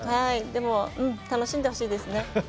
でも楽しんでほしいですね。